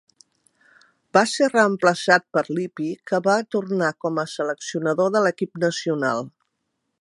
Va ser reemplaçat per Lippi, que va tornar com a seleccionador de l'equip nacional.